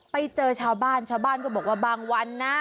ไปเจอชาวบ้านชาวบ้านก็บอกว่าบางวันนะ